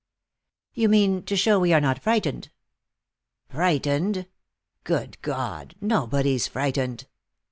"You mean, to show we are not frightened?" "Frightened! Good God, nobody's frightened.